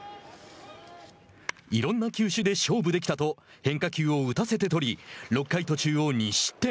「いろんな球種で勝負できた」と変化球を打たせて取り６回途中を２失点。